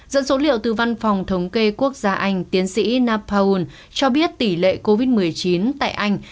dẫn số liệu từ văn phòng thống kê quốc gia anh tiến sĩ napaun cho biết tỷ lệ covid một mươi chín tại anh